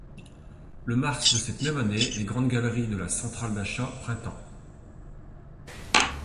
Le mars de cette même année, les Grandes Galeries de la centrale d'achat Printemps.